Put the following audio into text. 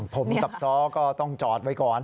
ผมกับซ้อก็ต้องจอดไว้ก่อน